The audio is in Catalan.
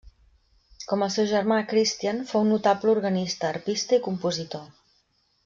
Com el seu germà Christian fou notable organista, arpista i compositor.